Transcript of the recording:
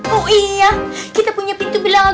oh iya kita punya pintu belakang